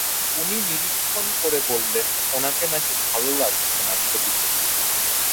আহত হলো আরও কয়েকজন।